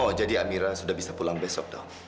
oh jadi amira sudah bisa pulang besok dong